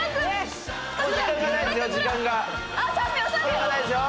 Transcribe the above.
時間がないですよ。